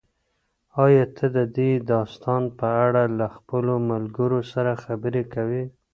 ایا ته د دې داستان په اړه له خپلو ملګرو سره خبرې کوې؟